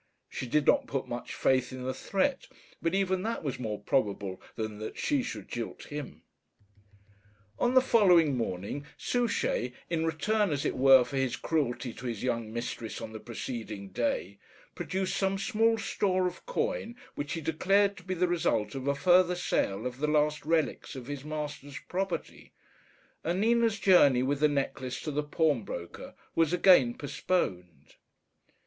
She did not put much faith in the threat; but even that was more probable than that she should jilt him. On the following morning Souchey, in return, as it were, for his cruelty to his young mistress on the preceding day, produced some small store of coin which he declared to be the result of a further sale of the last relics of his master's property; and Nina's journey with the necklace to the pawnbroker was again postponed.